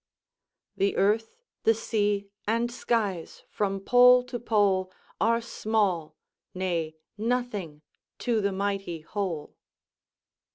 "The earth, the sea, and skies, from pole to pole, Are small, nay, nothing to the mighty whole."